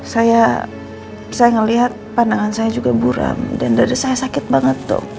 saya melihat pandangan saya juga buram dan dada saya sakit banget dok